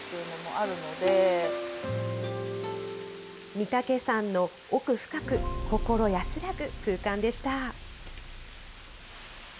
御岳山の奥深く、心安らぐ空間でした。